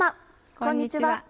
こんにちは。